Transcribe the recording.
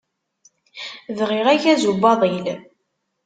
Bɣiɣ agazu n waḍil.